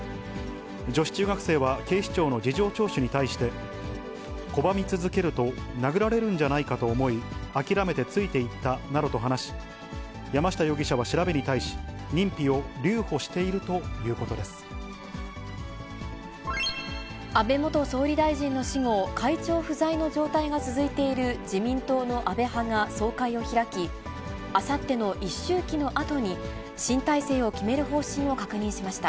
女子中学生は警視庁の事情聴取に対して、拒み続けると、殴られるんじゃないかと思い、諦めてついていったなどと話し、山下容疑者は調べに対し、認否を安倍元総理大臣の死後、会長不在の状態が続いている自民党の安倍派が総会を開き、あさっての一周忌のあとに、新体制を決める方針を確認しました。